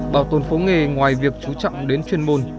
bảo tồn phố nghề ngoài việc chú trọng đến chuyên môn